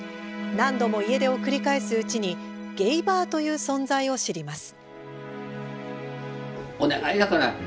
何度も家出を繰り返すうちにゲイバーという存在を知ります。